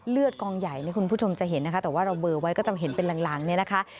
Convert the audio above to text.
กองใหญ่นี่คุณผู้ชมจะเห็นนะคะแต่ว่าเราเบอร์ไว้ก็จะเห็นเป็นหลังเนี่ยนะคะ